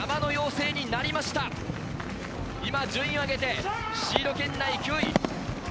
今、順位を上げてシード圏内の勢い。